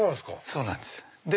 そうなんです。